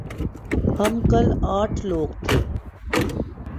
ہم کل آٹھ لوگ تھے ۔